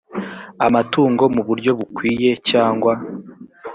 amatungo mu buryo bukwiye cyangwa